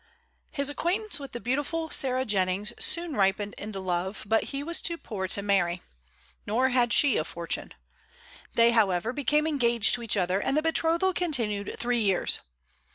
His acquaintance with the beautiful Sarah Jennings soon ripened into love; but he was too poor to marry. Nor had she a fortune. They however became engaged to each other, and the betrothal continued three years.